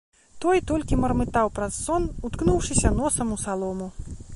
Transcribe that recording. Той толькі мармытаў праз сон, уткнуўшыся носам у салому.